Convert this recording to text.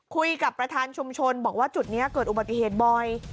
คุยกับประธานชุมชนบอกว่าจุดนี้เกิดอุบัติเหตุบ่อย